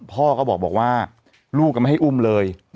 พ่อก็บอกว่าลูกก็ไม่ให้อุ้มเลย